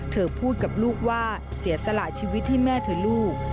เธอพูดกับลูกว่าเสียสละชีวิตให้แม่เถอะลูก